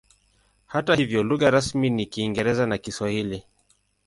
Hata hivyo lugha rasmi ni Kiingereza na Kiswahili.